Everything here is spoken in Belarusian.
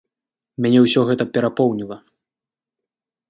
Мяне ўсё гэта перапоўніла.